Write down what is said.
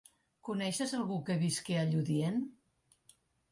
Coneixes algú que visqui a Lludient?